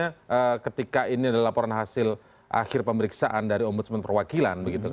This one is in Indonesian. misalnya ketika ini adalah laporan hasil akhir pemeriksaan dari ombudsman perwakilan